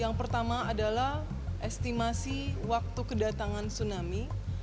yang pertama adalah estimasi waktu kedatangan tsunami